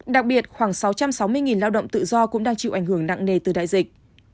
đặc biệt khoảng sáu trăm sáu mươi lao động tự do cũng đang chịu ảnh hưởng nặng nề từ đại dịch